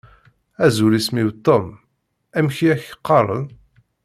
Azul, isem-iw Tom. Amek i ak-qqaṛen?